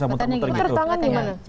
putar tangan gimana